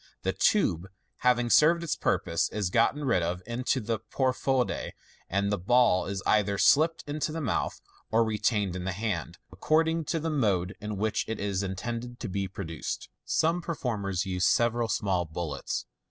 The tube, having served its purpose, is got rid of into the profonde, and the ball is either slipped into the mouth or retained in the hand, according to the mode in which it is intended to be produced. Some performers use several small bullets.